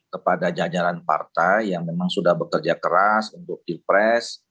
kepada jajaran partai yang memang sudah bekerja keras untuk pilpres